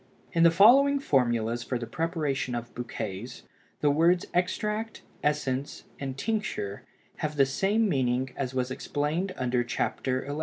In the following formulas for the preparation of bouquets, the words extract, essence, and tincture have the same meaning as was explained under Chapter XI.